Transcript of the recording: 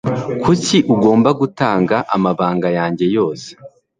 Kuki ugomba gutanga amabanga yanjye yose?